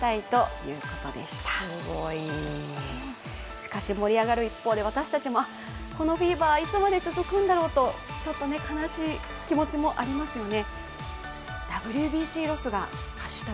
しかし、盛り上がる一方で、私たちも、このフィーバーいつまで続くんだろうとちょっと悲しい気持ちもありますよね。